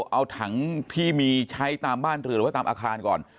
เอาถังที่มีใช้ตามบ้านเรือหรือว่าตามอาคารก่อน